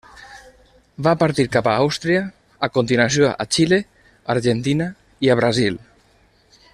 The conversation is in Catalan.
Va partir cap a Àustria, a continuació a Xile, a Argentina i a Brasil.